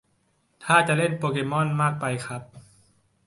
ท่าจะเล่นโปเกม่อนมากไปครับ